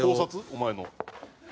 お前の。